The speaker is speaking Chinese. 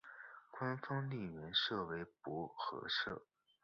官方应援色为薄荷绿。